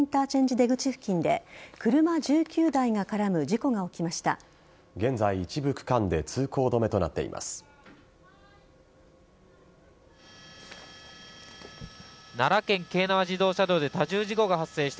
出口付近で車１９台が絡む事故が起きました。